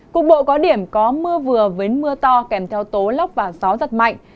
cục bộ có điểm có mưa vừa với mưa to kèm theo tố lóc và gió giật mạnh